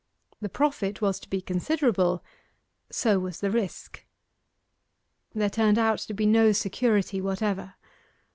The profit was to be considerable, so was the risk. There turned out to be no security whatever.